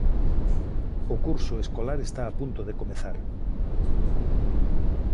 O curso escolar está a punto de comezar.